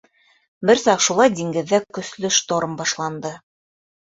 Бер саҡ шулай диңгеҙҙә көслө шторм башланды...